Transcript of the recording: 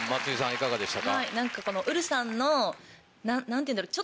いかがでしたか？